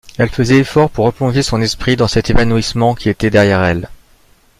Elle faisait effort pour replonger son esprit dans cet évanouissement qui était derrière elle.